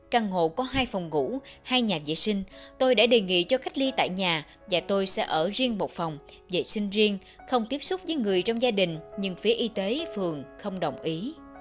căn hộ có hai phòng ngủ hai nhà vệ sinh tôi đã đề nghị cho cách ly tại nhà và tôi sẽ ở riêng một phòng vệ sinh riêng không tiếp xúc với người trong gia đình nhưng phía y tế phường không đồng ý